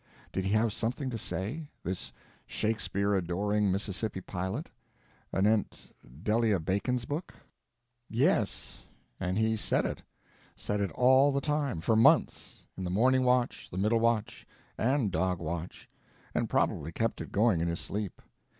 Did he have something to say—this Shakespeare adoring Mississippi pilot—anent Delia Bacon's book? Yes. And he said it; said it all the time, for months—in the morning watch, the middle watch, and dog watch; and probably kept it going in his sleep.